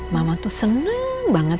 mama tuh seneng banget